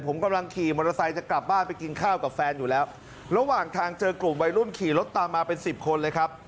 ผมกำลังขี่มอเตอร์ไซค์จะกลับบ้านไปกินข้าวกับแฟนอยู่แล้วระหว่างทางเจอกลุ่มวัยรุ่นขี่รถตามมาเป็นสิบคนเลยครับ